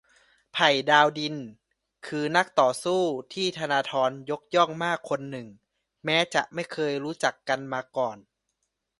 ไผ่ดาวดิน คือนักต่อสู้ที่ธนาธรยกย่องมากคนหนึ่ง แม้จะไม่เคยรู้จักกันมาก่อน